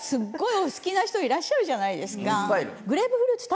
お好きな人いらっしゃるじゃないですか。